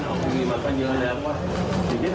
พูดมากันเยอะแล้วเพราะว่าอย่างนี้